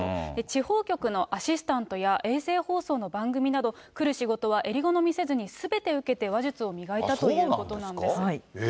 地方局のアシスタントや、衛星放送の番組など、来る仕事はえり好みせずにすべて受けて、話術を磨いたということなんです。